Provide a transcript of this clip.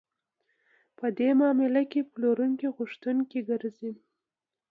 په دې معاملو کې پلورونکی غوښتونکی ګرځي